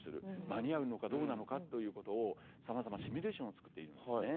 間に合うのかどうなのかということをさまざまシミュレーションを作っているんですね。